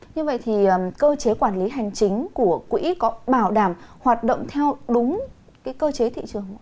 như vậy thì cơ chế quản lý hành chính của quỹ có bảo đảm hoạt động theo đúng cái cơ chế thị trường không ạ